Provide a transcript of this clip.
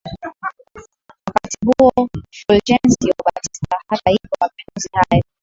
Wakati huo Fulgencio Batista hata hivyo mapinduzi hayo